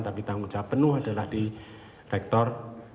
tapi tanggung jawab penuh adalah di rektor